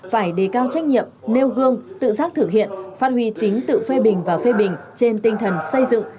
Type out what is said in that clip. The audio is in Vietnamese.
phải đề cao trách nhiệm nêu gương tự giác thực hiện phát huy tính tự phê bình và phê bình trên tinh thần xây dựng